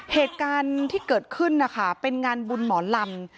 เหตุการณ์ที่เกิดขึ้นนะคะเป็นงานบุญหมอลำ